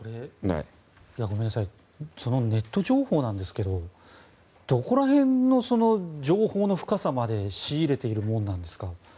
ネット情報ですがどこら辺の情報の深さまで仕入れているものなんですか？